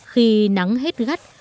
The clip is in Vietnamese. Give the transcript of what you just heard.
khi nắng hết gắt